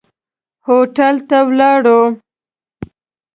هوټل ته ولاړو.